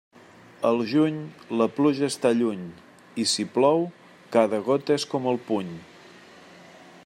Al juny, la pluja està lluny, i si plou, cada gota és com el puny.